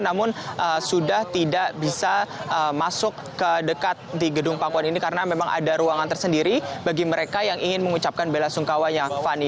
namun sudah tidak bisa masuk ke dekat di gedung pakuan ini karena memang ada ruangan tersendiri bagi mereka yang ingin mengucapkan bela sungkawanya fani